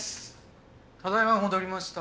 ただいま戻りました。